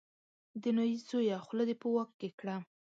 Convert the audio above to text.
د نايي زویه خوله دې په واک کې کړه.